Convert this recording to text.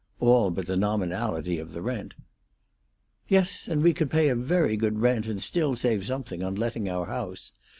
All but the nominality of the rent." "Yes, and we could pay a very good rent and still save something on letting our house.